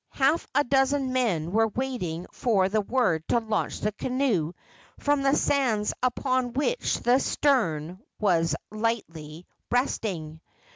Half a dozen men were waiting for the word to launch the canoe from the sands upon which the stern was lightly resting.